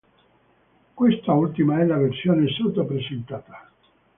Quest'ultima è la versione sotto presentata.